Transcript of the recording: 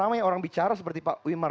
makin ramai orang bicara seperti pak wimar